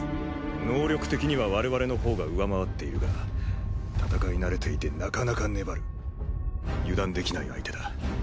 能力的には我々のほうが上回っているが戦い慣れていてなかなか粘る油断できない相手だ。